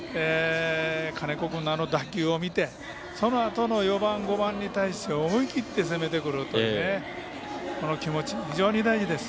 金子君の打球を見てそのあとの４番、５番に対して思い切って攻めてくるというこの気持ち、非常に大事です。